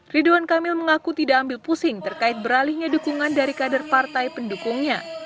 ridwan kamil mengaku tidak ambil pusing terkait beralihnya dukungan dari kader partai pendukungnya